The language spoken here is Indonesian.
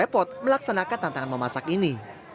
pemimpin yang kerepot melaksanakan tantangan memasak ini